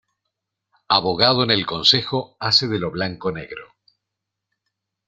Abogado en el concejo hace de lo blanco negro.